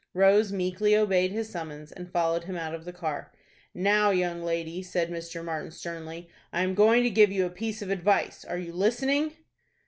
Rose meekly obeyed his summons, and followed him out of the car. "Now, young lady," said Mr. Martin, sternly, "I am going to give you a piece of advice. Are you listening?"